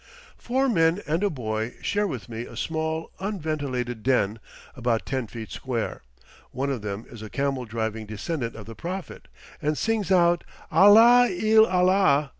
Four men and a boy share with me a small, unventilated den, about ten feet square; one of them is a camel driving descendant of the Prophet, and sings out "Allah il allah!"